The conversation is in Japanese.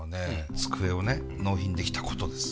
机をね納品できたことです。